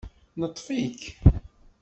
Neṭṭef-ik